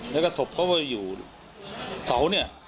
แล้วก็ศพเขาไปอยู่เสา